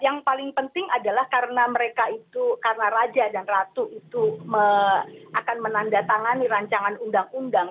yang paling penting adalah karena mereka itu karena raja dan ratu itu akan menandatangani rancangan undang undang